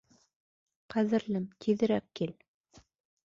Ҡәҙерлем, тиҙерәк кил.